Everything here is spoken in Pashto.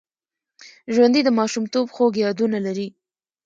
ژوندي د ماشومتوب خوږ یادونه لري